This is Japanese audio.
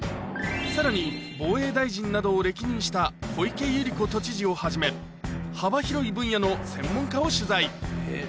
さらに防衛大臣などを歴任した小池百合子都知事をはじめ、幅広い分野の専門家を取材。